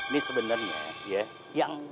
ini sebenernya ya yang